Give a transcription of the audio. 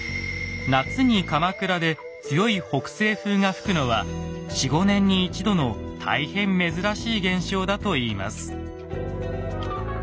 夏に鎌倉で強い北西風が吹くのは４５年に一度の大変珍しい現象だといいます。